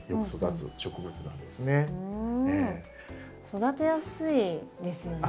育てやすいですよね。